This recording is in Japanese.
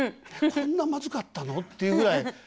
こんなまずかったの？っていうぐらい。